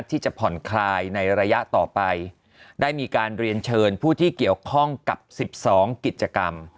ที่จะผ่อนคลายในระยะต่อไปได้มีการเรียนเชิญผู้ที่เกี่ยวข้องกับ๑๒กิจกรรม